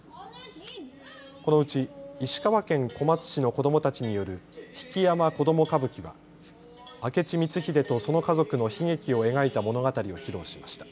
このうち石川県小松市の子どもたちによる曳山子供歌舞伎は明智光秀とその家族の悲劇を描いた物語を披露しました。